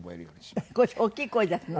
大きい声出すの？